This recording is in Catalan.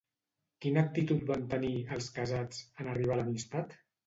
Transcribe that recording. Quina actitud van tenir, els casats, en arribar l'amistat?